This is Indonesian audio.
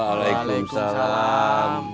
assalamualaikum kang apip kang odin kang jajan